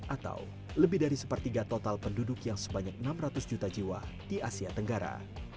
atau lebih dari sepertiga total penduduk yang sebanyak enam ratus juta jiwa di asia tenggara